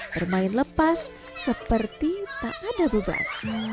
bermain lepas seperti tak ada beban